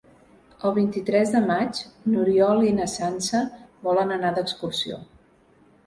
El vint-i-tres de maig n'Oriol i na Sança volen anar d'excursió.